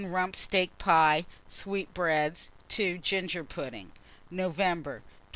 Rump steak pie, sweetbreads. 2. Ginger pudding. NOVEMBER. 2095.